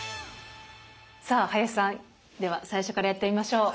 さあ林さんでは最初からやってみましょう。